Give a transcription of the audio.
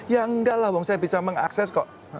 ya enggak lah saya bisa mengakses kok